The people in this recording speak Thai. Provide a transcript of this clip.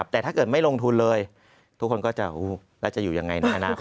แต่ถ้าเกิดไม่ลงทุนเลยทุกคนก็จะแล้วจะอยู่ยังไงในอนาคต